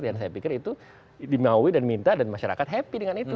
dan saya pikir itu dimaui dan minta dan masyarakat happy dengan itu